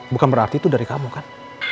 bukan berarti itu dari kamu kan